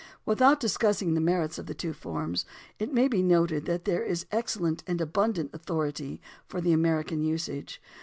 Without discussing the merits of the two forms, it may be noted that there is excellent and abundant authority for the American usage.